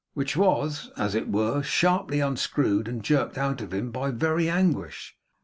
which was, as it were, sharply unscrewed and jerked out of him by very anguish.